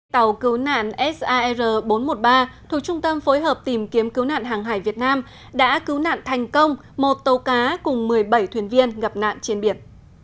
tàu cứu nạn sar bốn trăm một mươi ba thuộc trung tâm phối hợp tìm kiếm cứu nạn hàng hải việt nam đã cứu nạn thành công một tàu cá cùng một mươi bảy thuyền viên gặp nạn trên biển